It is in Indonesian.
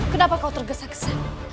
kenapa kau tergesa gesa